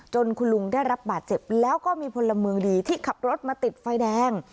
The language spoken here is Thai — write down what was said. คุณลุงได้รับบาดเจ็บแล้วก็มีพลเมืองดีที่ขับรถมาติดไฟแดง